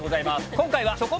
今回は。